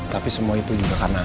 tapi semua itu juga karena